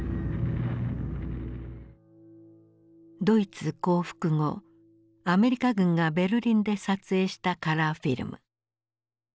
ドイツ降伏後アメリカ軍がベルリンで撮影したカラーフィルム。